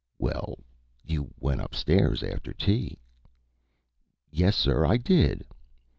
"Well, you went up stairs after tea." "Yes, sir, I did."